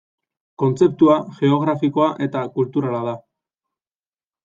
Kontzeptua geografikoa eta kulturala da.